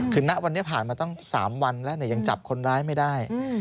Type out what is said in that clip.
คือณวันนี้ผ่านมาตั้ง๓วันแล้วยังจับคนร้ายไม่ได้